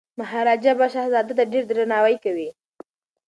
مهاراجا به شهزاده ته ډیر درناوی کوي.